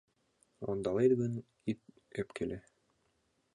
Ондалет гын, ит ӧпкеле...